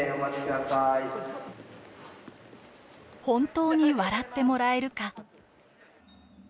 本当に笑ってもらえるか。